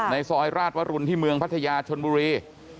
ซอยราชวรุนที่เมืองพัทยาชนบุรี